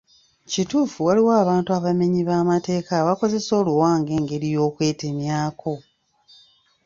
Kituufu nti waliwo abantu abamenyi b'amateeka abakozesa oluwa ng'engeri y'okwetemyako.